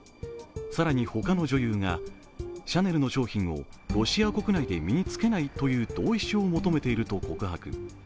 更に、他の女優がシャネルの商品をロシア国内で身につけないという同意書を求めていると告白。